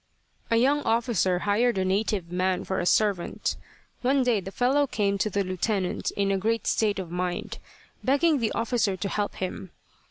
"A young officer hired a native man for a servant. One day the fellow came to the Lieutenant in a great state of mind, begging the officer to help him.